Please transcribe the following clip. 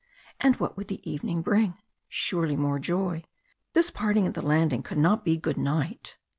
And what would the evening bring? Surely more joy. This parting at the landing could not be good night!